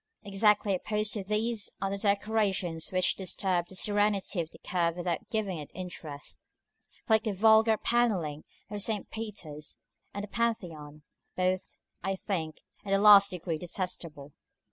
Exactly opposed to these are the decorations which disturb the serenity of the curve without giving it interest, like the vulgar panelling of St. Peter's and the Pantheon; both, I think, in the last degree detestable.